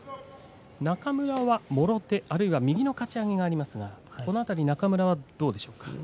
中村はもろ手、あるいは右のかち上げがありますが中村はどうでしょうか。